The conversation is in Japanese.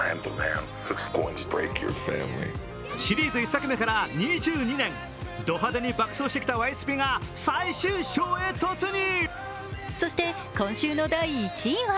シリーズ１作目から２２年、ド派手に爆走してきた「ワイスピ」が最終章へ突入。